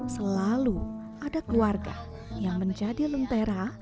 selalu ada keluarga yang menjadi lentera